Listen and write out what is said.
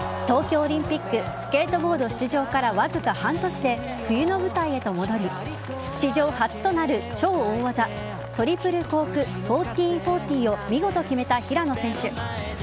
東京オリンピックスケートボード出場からわずか半年で冬の舞台へと戻り史上初となる超大技トリプルコーク１４４０を見事決めた平野選手。